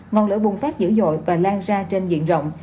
ngọn lửa bùng phát dữ dội và lan ra trên diện rộng